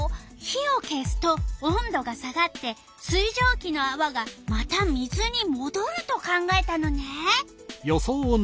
火を消すと温度が下がって水じょうきのあわがまた水にもどると考えたのね。